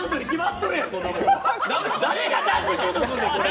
誰がダンクシュートするの、これ。